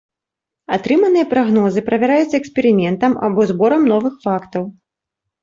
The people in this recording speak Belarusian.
Атрыманыя прагнозы правяраюцца эксперыментам або зборам новых фактаў.